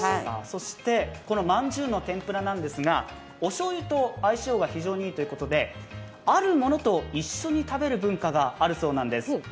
このまんじゅうの天ぷらなんですが、おしょうゆと相性がいいということであるものと一緒に食べる文化があるそうなんです。